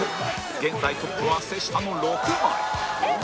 現在トップは瀬下の６枚